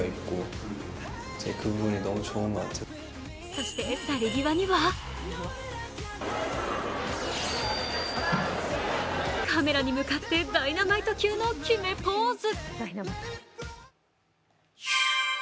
そして去り際にはカメラに向かって、ダイナマイト級の決めポーズ。